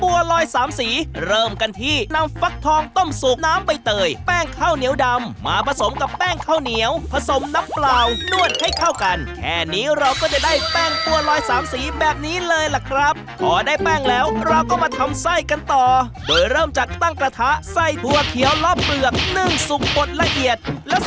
บัวลอยสามสีเริ่มกันที่นำฟักทองต้มสูบน้ำใบเตยแป้งข้าวเหนียวดำมาผสมกับแป้งข้าวเหนียวผสมน้ำเปล่านวดให้เข้ากันแค่นี้เราก็จะได้แป้งตัวลอยสามสีแบบนี้เลยล่ะครับพอได้แป้งแล้วเราก็มาทำไส้กันต่อโดยเริ่มจากตั้งกระทะไส้ถั่วเขียวรอบเปลือกนึ่งสุกบดละเอียดแล้วส